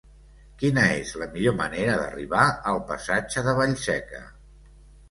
Quina és la millor manera d'arribar al passatge de Vallseca?